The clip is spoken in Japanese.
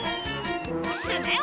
スネ夫！